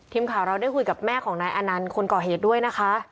ทีมข่าวเราได้คุยกับแม่ของนายอนันต์คนก่อเหตุด้วยนะคะ